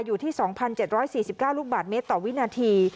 อยู่ที่๒๗๔๙ลูกบาทเมตรต่อวินาที